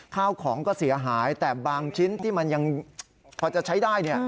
ข้าวของก็เสียหายแต่บางชิ้นที่มันยังพอจะใช้ได้